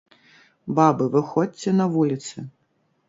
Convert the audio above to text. Бабы, выходзьце на вуліцы!